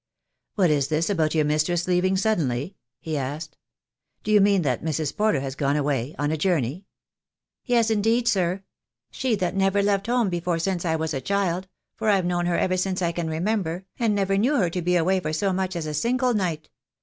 "What is this about your mistress leaving suddenly?" he asked. "Do you mean that Mrs. Porter has gone away — on a journey?" "Yes, indeed, sir. She that never left home before since I was a child — for I've known her ever since I can remember, and never knew her to be away for so much as a single night.